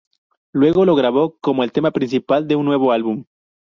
Luego lo grabó como el tema principal de un nuevo álbum.